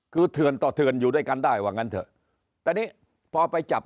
คือเถื่อนต่อเถื่อนอยู่ด้วยกันได้ว่างั้นเถอะแต่นี่พอไปจับ